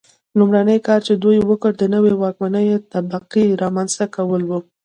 لومړنی کار چې دوی وکړ د نوې واکمنې طبقې رامنځته کول و.